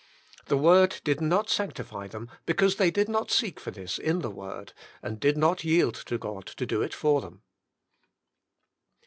The word did not sanctify them, because they did not seek for this in the word, and did not yield to God to do it for them.